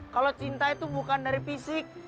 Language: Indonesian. kalau cinta itu bukan dari fisik